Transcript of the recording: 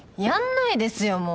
やんないですよ